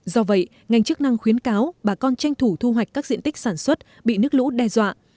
do vậy ngành chức năng khuyến cáo bà con tranh thủ thu hoạch các diện tích sản xuất bị nước lũ đe dọa